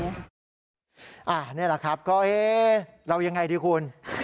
นี่แหละครับก็เราอย่างไรดีคุณ